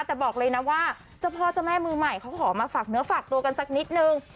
แต่บอกเลยนะว่าเจ้าพ่อเจ้าแม่มือใหม่เขาขอมาฝากเนื้อฝากตัวกันสักนิดนึง